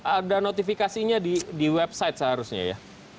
ada notifikasinya di website seharusnya ya